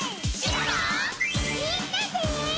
みんなで！